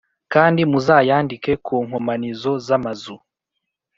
Kandi muzayandike ku nkomanizo z amazu